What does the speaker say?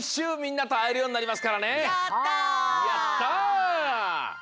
うみんなとあえるようになりますからね。